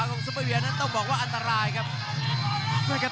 สองครั้งแล้วนะครับที่เตือนทางด้านยอดปรับศึกครับ